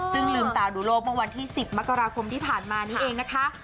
ซึ่งลืมตาดูโลกเมื่อวันที่๑๐มกราคมที่ผ่านมานี้เองนะคะ